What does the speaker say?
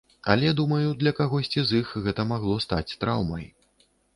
Але, думаю, для кагосьці з іх гэта магло стаць траўмай.